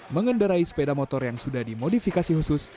mengendarai sepeda motor yang sudah dimodifikasi khusus